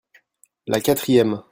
la quatrième.